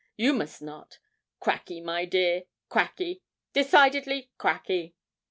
You must not. Cracky, my dear, cracky decidedly cracky!'